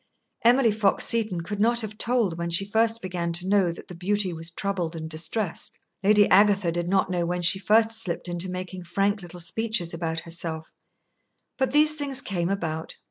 Emily Fox Seton could not have told when she first began to know that the beauty was troubled and distressed; Lady Agatha did not know when she first slipped into making little frank speeches about herself; but these things came about.